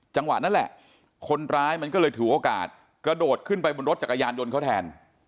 จังหวะนั้นแหละคนร้ายมันก็เลยถือโอกาสกระโดดขึ้นไปบนรถจักรยานยนต์เขาแทน